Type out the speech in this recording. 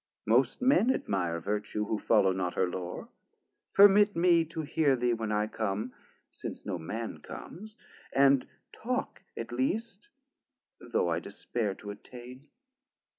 most men admire Vertue, who follow not her lore: permit me To hear thee when I come (since no man comes) And talk at least, though I despair to attain.